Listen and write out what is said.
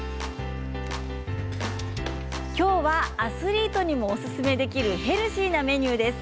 今日はアスリートにもおすすめできるヘルシーなメニューです。